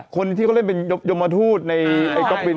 คนที่เขาเล่นเป็นยมทูตในก๊อปบิน